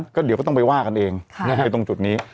ก็เดี๋ยวก็ต้องไปว่ากันเองไปตรงจุดนี้